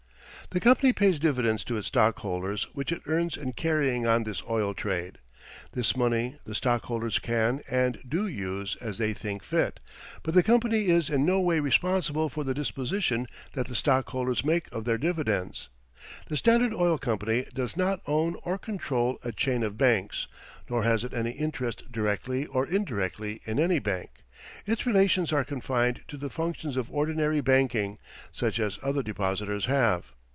The company pays dividends to its stockholders which it earns in carrying on this oil trade. This money the stockholders can and do use as they think fit, but the company is in no way responsible for the disposition that the stockholders make of their dividends. The Standard Oil Company does not own or control "a chain of banks," nor has it any interest directly or indirectly in any bank. Its relations are confined to the functions of ordinary banking, such as other depositors have.